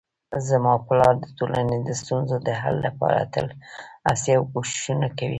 زما پلار د ټولنې د ستونزو د حل لپاره تل هڅې او کوښښونه کوي